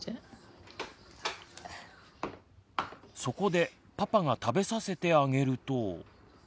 そこでパパが食べさせてあげると。